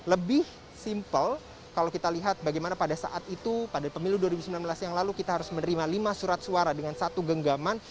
lebih simpel kalau kita lihat bagaimana pada saat itu pada pemilu dua ribu sembilan belas yang lalu kita harus menerima lima surat suara dengan satu genggaman